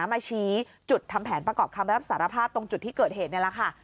มาชี้จุดทำแผนประกอบคำรับสารภาพตรงจุดที่เกิดเหตุนี่แหละค่ะ